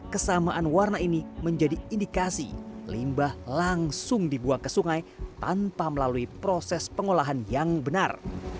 kesamaan warna ini menjadi indikasi limbah langsung dibuang ke sungai tanpa melalui proses pengolahan yang benar